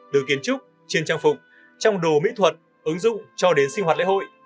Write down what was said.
được kiến trúc chiên trang phục trong đồ mỹ thuật ứng dụng cho đến sinh hoạt lễ hội